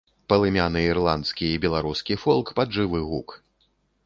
Палымяны ірландскі і беларускі фолк пад жывы гук.